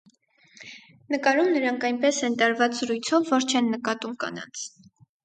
Նկարում նրանք այնպես են տարված զրույցով, որ չեն նկատում կանանց։